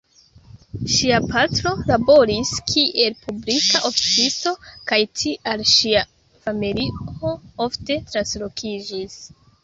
Ŝia patro laboris kiel publika oficisto kaj tial ŝia familio ofte translokiĝis.